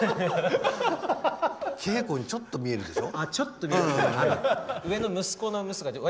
けいこにちょっと見えるでしょ？